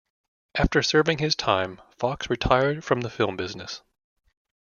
After serving his time, Fox retired from the film business.